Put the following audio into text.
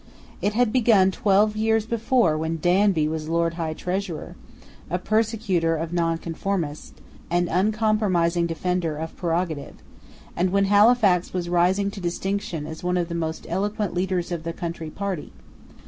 It had begun twelve years before when Danby was Lord High Treasurer, a persecutor of nonconformists, an uncompromising defender of prerogative, and when Halifax was rising to distinction as one of the most eloquent leaders of the country party.